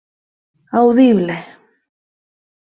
Audible: